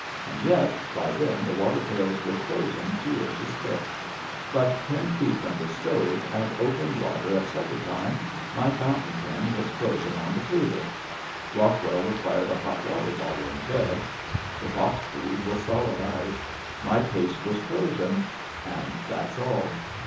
And yet by then the water pails were frozen two inches thick but ten feet from the stove and open water at supper time, my fountain pen was frozen on the table, Rockwell required a hot water bottle in bed, the fox food was solid ice, my paste was frozen, and that's all.